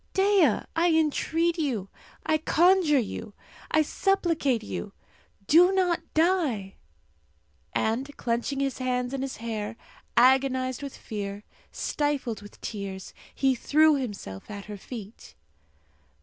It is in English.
Dea, I entreat you! I conjure you! I supplicate you! Do not die!" And clenching his hands in his hair, agonized with fear, stifled with tears, he threw himself at her feet.